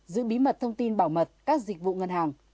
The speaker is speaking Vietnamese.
giữ bí mật thông tin bảo mật các dịch vụ ngân hàng